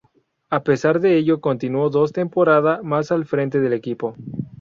A pesar de ello continuó dos temporada más al frente del equipo.